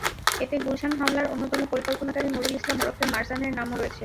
এতে গুলশান হামলার অন্যতম পরিকল্পনাকারী নুরুল ইসলাম ওরফে মারজানের নামও রয়েছে।